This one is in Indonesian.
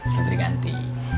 saya beli ganti